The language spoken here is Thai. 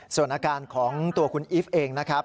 ส่วนอาการของตัวคุณอีฟเองนะครับ